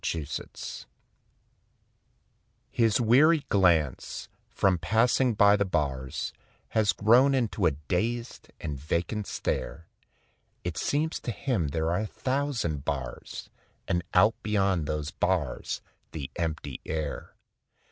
THE PANTHER His weary glance, from passing by the bars, Has grown into a dazed and vacant stare; It seems to him there are a thousand bars And out beyond those bars the empty air.